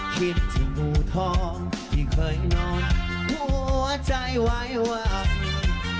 คิดถึงงูทองที่เคยนอนหัวใจวายหวัง